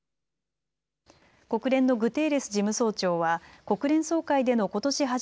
国連のグテーレス事務総長は国連総会でのことし